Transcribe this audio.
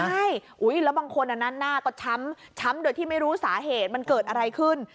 ใช่แล้วบางคนหน้าก็ช้ำโดยที่ไม่รู้สาเหตุมันเกิดอะไรขึ้น